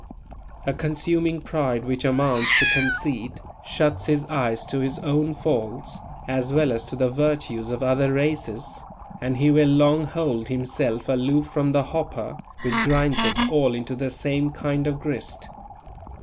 A consuming pride which amounts to conceit, shuts his eyes to his own faults as well as to the virtues of other races, and he will long hold himself aloof from the hopper which grinds us all into the same kind of grist.